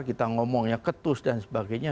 kita ngomongnya ketus dan sebagainya